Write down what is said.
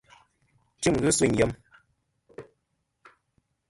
Tim ghi sûyn yem.